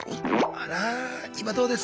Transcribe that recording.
あら今どうです？